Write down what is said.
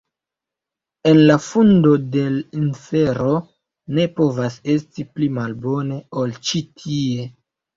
En la fundo de l' infero ne povas esti pli malbone, ol ĉi tie.